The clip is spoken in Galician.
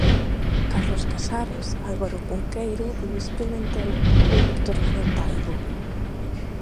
Carlos Casares, Álvaro Cunqueiro, Luís Pimentel ou Victoriano Taibo.